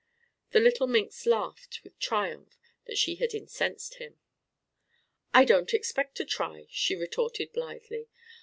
The little minx laughed with triumph that she had incensed him. "I don't expect to try!" she retorted blithely.